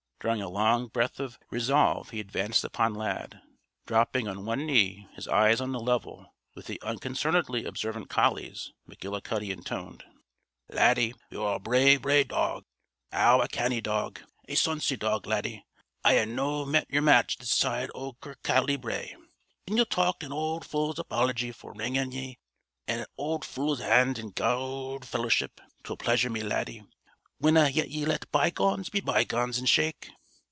Drawing a long breath of resolve he advanced upon Lad. Dropping on one knee, his eyes on a level with the unconcernedly observant collie's, McGillicuddy intoned: "Laddie, ye're a braw, braw dog. Ou, a canny dog! A sonsie dog, Laddie! I hae na met yer match this side o' Kirkcaldy Brae. Gin ye'll tak' an auld fule's apology for wrangin' ye, an' an auld fule's hand in gude fellowship, 'twill pleasure me, Laddie. Winna ye let bygones be bygones, an' shake?"